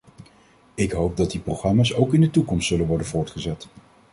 Ik hoop dat die programma's ook in de toekomst zullen worden voortgezet.